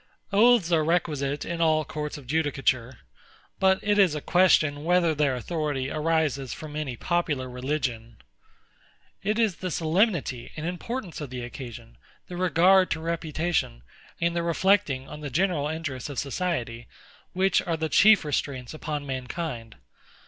Oaths are requisite in all courts of judicature; but it is a question whether their authority arises from any popular religion. It is the solemnity and importance of the occasion, the regard to reputation, and the reflecting on the general interests of society, which are the chief restraints upon mankind.